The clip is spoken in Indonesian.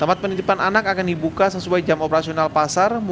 tempat penitipan anak akan dibuka sesuai jam operasional pasar